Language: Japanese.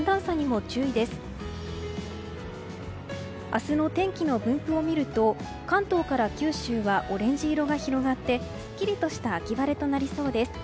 明日の天気の分布を見ると関東から九州はオレンジ色が広がってすっきりとした秋晴れとなりそうです。